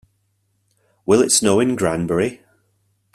Will it snow in Granbury?